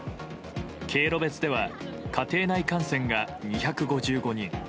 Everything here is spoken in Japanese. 経路別では家庭内感染が２５５人